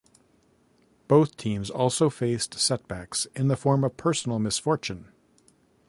Both teams also faced set backs in the form of personal misfortune.